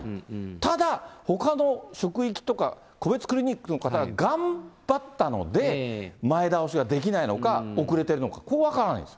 ただ、ほかの職域とか個別クリニックの方が頑張ったので、前倒しができないのか、遅れてるのか、ここが分からないんです。